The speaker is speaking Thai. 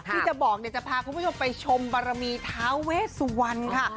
ที่จะบอกเนี่ยจะพาคุณผู้ชมไปชมบารมีท้าเวสวรรณค่ะ